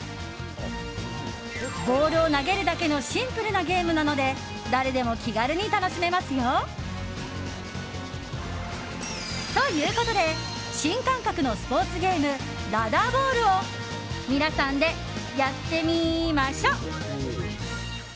ボールを投げるだけのシンプルなゲームなので誰でも気軽に楽しめますよ。ということで新感覚のスポーツゲームラダーボールを皆さんでやってみーましょ！